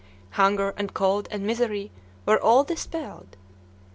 Hunger, and cold, and misery were all dispelled.